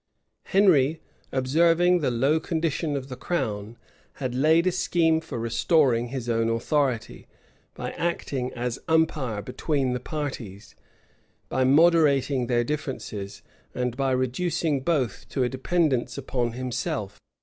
Henry, observing the low condition of the crown, had laid a scheme for restoring his own authority, by acting as umpire between the parties, by moderating their differences, and by reducing both to a dependence upon himself.